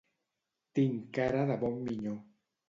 Tinc cara de bon minyó.